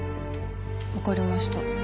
わかりました。